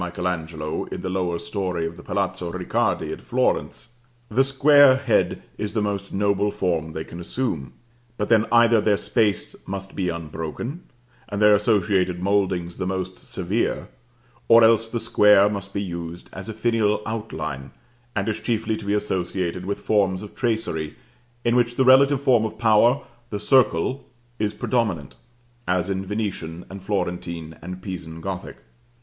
Angelo in the lower story of the Palazzo Ricardi at Florence, the square head is the most noble form they can assume; but then either their space must be unbroken, and their associated mouldings the most severe, or else the square must be used as a finial outline, and is chiefly to be associated with forms of tracery, in which the relative form of power, the circle, is predominant, as in Venetian, and Florentine, and Pisan Gothic.